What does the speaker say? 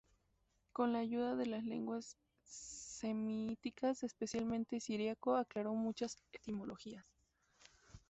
Con la ayuda de las lenguas semíticas, especialmente siríaco, aclaró muchas etimologías.